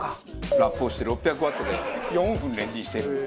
ラップをして６００ワットで４分レンチンしているんです。